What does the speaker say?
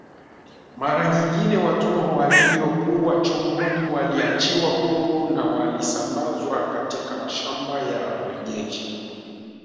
Mara nyingine watumwa waliokuwa chomboni waliachiwa huru na walisambazwa katika mashamba ya wenyeji